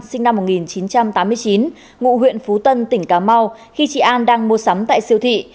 sinh năm một nghìn chín trăm tám mươi chín ngụ huyện phú tân tỉnh cà mau khi chị an đang mua sắm tại siêu thị